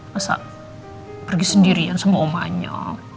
masa pergi sendirian semua omanya